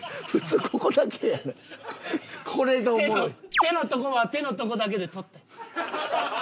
手のとこは手のとこだけで撮って。